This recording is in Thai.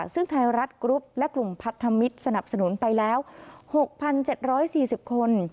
ซึ่งไทยรัฐกรุ๊ปและกลุ่มพันธมิตรสนับสนุนไปแล้ว๖๗๔๐คน